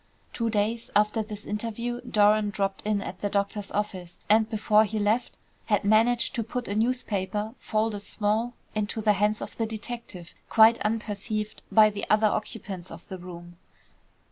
Two days after this interview Doran dropped in at the doctor's office, and before he left had managed to put a newspaper, folded small, into the hands of the detective, quite unperceived by the other occupants of the room.